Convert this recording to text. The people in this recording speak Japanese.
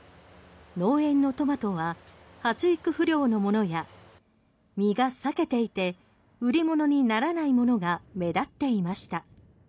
農園のトマトは発育不良のものや身が裂けていて売り物にならないものが目立っていました。